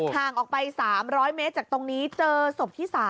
ห่างออกไป๓๐๐เมตรจากตรงนี้เจอศพที่๓